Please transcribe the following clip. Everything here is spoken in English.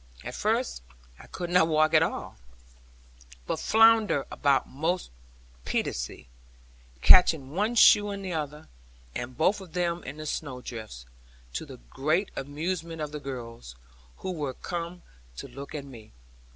At first I could not walk at all, but floundered about most piteously, catching one shoe in the other, and both of them in the snow drifts, to the great amusement of the girls, who were come to look at me.